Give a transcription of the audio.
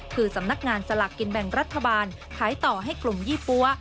คือสำนักงานสลากกินแบ่งรัฐบาลขายต่อให้กลุ่มยี่ปั๊ว